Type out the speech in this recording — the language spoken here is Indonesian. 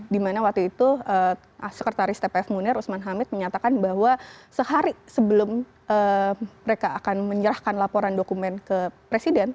dimana waktu itu sekretaris tpf munir usman hamid menyatakan bahwa sehari sebelum mereka akan menyerahkan laporan dokumen ke presiden